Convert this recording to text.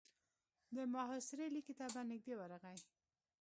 د محاصرې ليکې ته به نږدې ورغی.